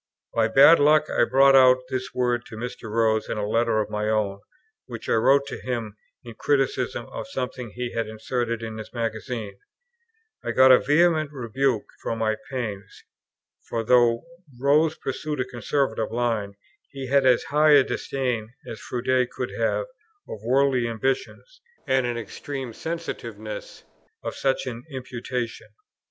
By bad luck, I brought out this word to Mr. Rose in a letter of my own, which I wrote to him in criticism of something he had inserted in his Magazine: I got a vehement rebuke for my pains, for though Rose pursued a conservative line, he had as high a disdain, as Froude could have, of a worldly ambition, and an extreme sensitiveness of such an imputation.